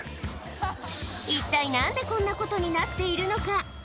一体なんでこんなことになっているのか。